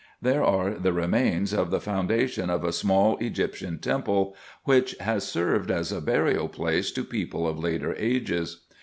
There are the remains of the foundation of a small Egyptian temple, which has served as a burial place to people of later ages.